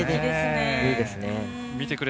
いいですね。